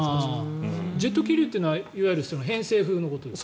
ジェット気流っていうのはいわゆる偏西風のことですか？